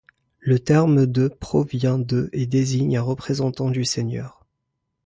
Le terme de provient de et désigne un représentant du seigneur.